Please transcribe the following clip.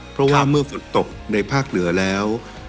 เพราะว่าเมื่อฝนตกในภาคเหนือแล้ว